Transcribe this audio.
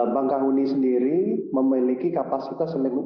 bang kahuni sendiri memiliki kapasitas lebih